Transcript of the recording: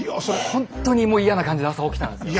ほんとにもう嫌な感じで朝起きたんですよ。